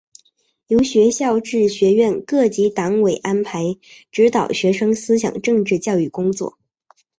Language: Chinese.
由学校至学院各级党委安排指导学生思想政治教育工作。